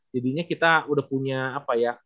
jadinya kita udah punya apa ya